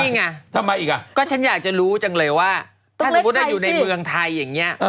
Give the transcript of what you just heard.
นี่ไงทำไมอีกอ่ะก็ฉันอยากจะรู้จังเลยว่าถ้าสมมุติอยู่ในเมืองไทยอย่างนี้